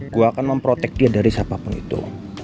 gue akan memprotek dia dari siapapun itu